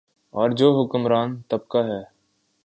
اورجو حکمران طبقہ ہے۔